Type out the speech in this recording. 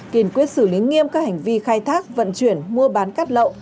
kiên quyết xử lý nghiêm các hành vi khai thác vận chuyển mua bán cát lậu